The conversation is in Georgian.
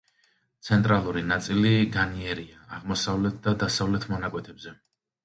ცენტრალური ნაწილი განიერია აღმოსავლეთ და დასავლეთ მონაკვეთებზე.